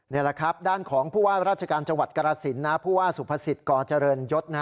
นี่แหละครับด้านของผู้ว่าราชการจังหวัดกรสินผู้ว่าสุภาษิตกเจริญยศ